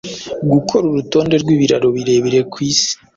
Gukora urutonde rwibiraro birebire ku isi